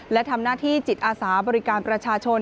และทำหน้าที่จิตอาสาบริการประชาชน